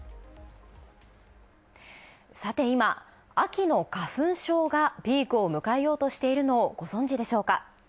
さて今、秋の花粉症がピークを迎えようとしているのをご存知でしょうか。